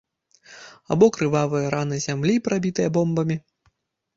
Або крывавыя раны зямлі, прабітыя бомбамі.